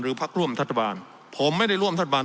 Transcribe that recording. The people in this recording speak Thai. หรือพักร่วมทัศนบาลผมไม่ได้ร่วมทัศนบาล